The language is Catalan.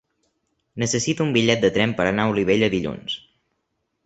Necessito un bitllet de tren per anar a Olivella dilluns.